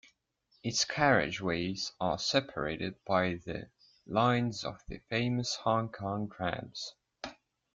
Its carriageways are separated by the lines of the famous Hong Kong trams.